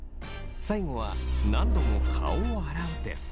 最後は何度も顔を洗うです。